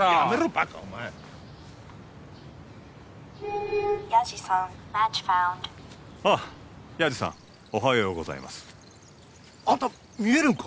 バカお前ああヤジさんおはようございますあんた見えるんか？